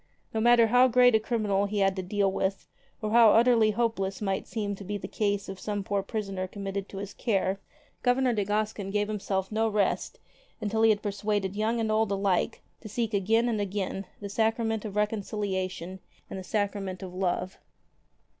No matter how great a criminal he had to deal with, or how utterly hopeless might seem to be the case of some poor prisoner committed to his care, Governor de Gascon gave himself no rest until he had persuaded young and old alike to seek again and again the Sacrament of Reconciliation and the Sacrament of Love.